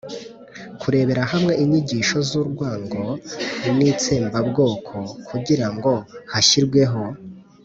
kurebera hamwe inyigisho z urwango n itsembabwoko kugira ngo hashyirweho